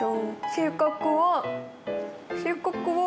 性格は。